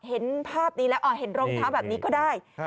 เห็นภาพนี้แล้วเห็นรองเท้าแบบนี้ก็ได้